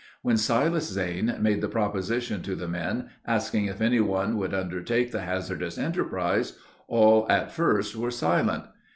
When Silas Zane made the proposition to the men, asking if any one would undertake the hazardous enterprise, all at first were silent.